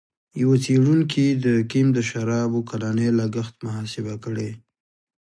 یوه څېړونکي د کیم د شرابو کلنی لګښت محاسبه کړی.